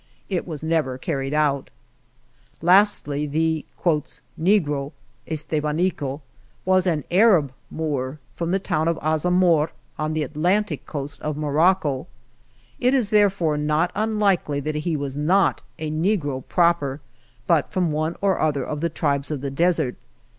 It was never carried out. Lastly the "negro," Estevanico was an Arab Moor, from the town of Azamor, on the Atlantic coast of Morocco. It is therefore not unlikely that he was not a negro proper, but from one or the other of the tribes of the desert.